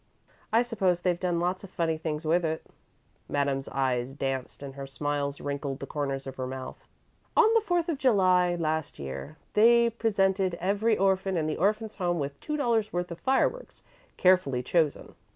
"I suppose they've done lots of funny things with it." Madame's eyes danced and little smiles wrinkled the corners of her mouth. "On the Fourth of July, last year, they presented every orphan in the Orphans' Home with two dollars' worth of fireworks, carefully chosen.